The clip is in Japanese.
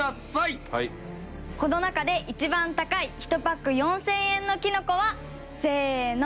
この中で一番高い１パック４０００円のきのこはせーの。